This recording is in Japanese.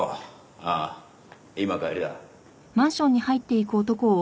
ああ今帰りだ。